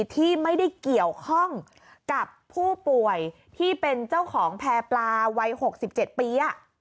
ที่ไม่ได้เกี่ยวข้องกับผู้ป่วยที่เป็นเจ้าของแพร่ปลาวัย๖๗ปี